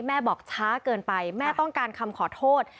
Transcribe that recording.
บอกช้าเกินไปแม่ต้องการคำขอโทษ